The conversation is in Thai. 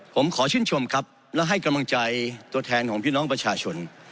ผมขอชื่นชมครับและให้กำลังใจตัวแทนของพี่น้องประชาชน